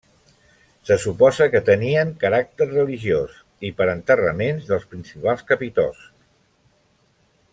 Se suposa que tenien caràcter religiós, i per enterraments dels principals capitosts.